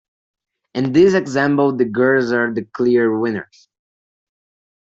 In this example, the girls are the clear winners.